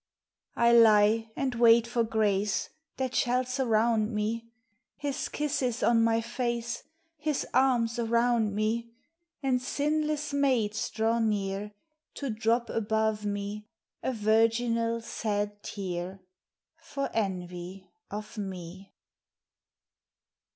I lie and wait for grace That shall surround me, His kisses on my face, His arms around me ; 136 THE LASS THAT DIED OF LOVE And sinless maids draw near To drop above me, A virginal sad tear For envy of me.